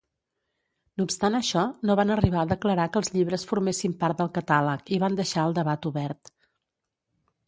No obstant això, no van arribar a declarar que els llibres formessin part del catàleg i van deixar el debat obert.